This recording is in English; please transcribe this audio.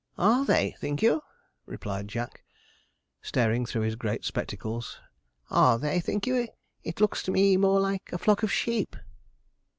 'Are they, think you?' replied Jack, staring through his great spectacles; 'are they, think you? It looks to me more like a flock of sheep.'